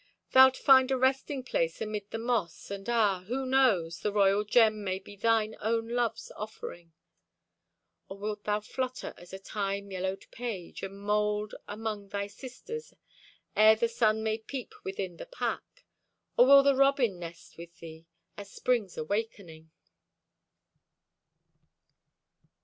Thou'lt find a resting place amid the moss, And, ah, who knows! The royal gem May be thine own love's offering. Or wilt thou flutter as a time yellowed page, And mould among thy sisters, ere the sun May peep within the pack? Or will the robin nest with thee At Spring's awakening?